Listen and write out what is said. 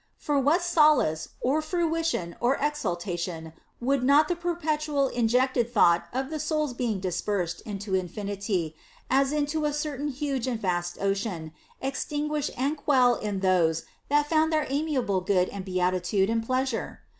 For what solace or fruition or exultation would not the perpetual injected thought of the soul's being dispersed into infinity, as into a certain huge and vast ocean, extinguish and quell in those that found their amiable good and beatitude in pleasure?